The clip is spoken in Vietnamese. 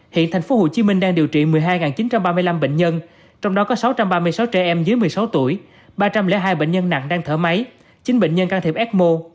hiện tp hcm đang điều trị một mươi hai chín trăm ba mươi năm bệnh nhân trong đó có sáu trăm ba mươi sáu trẻ em dưới một mươi sáu tuổi ba trăm linh hai bệnh nhân nặng đang thở máy chín bệnh nhân can thiệp ecmo